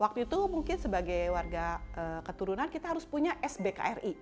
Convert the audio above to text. waktu itu mungkin sebagai warga keturunan kita harus punya sbkri